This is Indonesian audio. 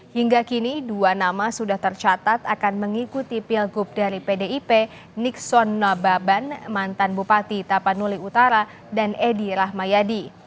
hingga kini dua nama sudah tercatat akan mengikuti pilgub dari pdip nixon nababan mantan bupati tapanuli utara dan edi rahmayadi